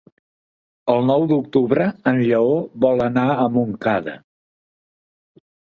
El nou d'octubre en Lleó vol anar a Montcada.